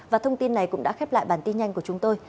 và thông tin này cũng đã khép lại bản tin nhanh của chúng tôi